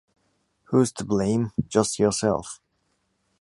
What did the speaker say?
Whose to blame? — Just yourself.